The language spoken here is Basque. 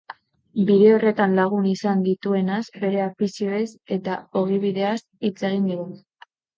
Bide horretan lagun izan dituenaz, bere afizioez eta ogibideaz hitz egin digu.